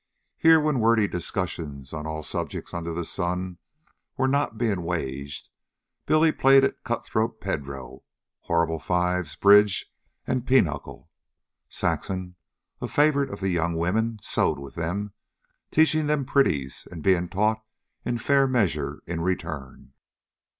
Here, when wordy discussions on all subjects under the sun were not being waged, Billy played at cut throat Pedro, horrible fives, bridge, and pinochle. Saxon, a favorite of the young women, sewed with them, teaching them pretties and being taught in fair measure in return.